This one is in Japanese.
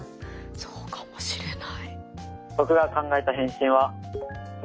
そうかもしれない。